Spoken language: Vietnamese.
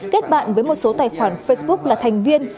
kết bạn với một số tài khoản facebook là thành viên